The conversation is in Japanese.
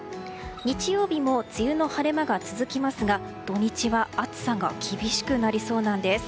日曜日も梅雨の晴れ間が続きますが土日は暑さが厳しくなりそうなんです。